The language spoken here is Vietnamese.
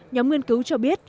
nhóm nghiên cứu cho biết